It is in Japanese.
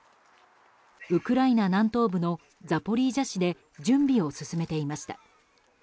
ウクライナ南東部のザポリージャ市で準備を進めていました。